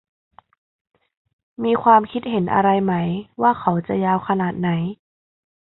มีความคิดเห็นอะไรไหมว่าเขาจะยาวขนาดไหน